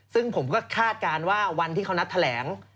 ซึ่งผมก็คาดการณ์ว่าวันที่เขานัดแถลง